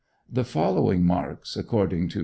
The following marks, according to M.